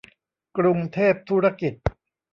กรุงเทพธุรกิจ